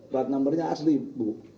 plat nomernya asli bu